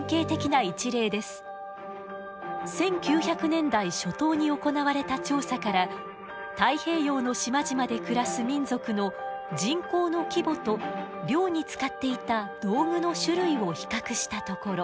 １９００年代初頭に行われた調査から太平洋の島々で暮らす民族の人口の規模と漁に使っていた道具の種類を比較したところ。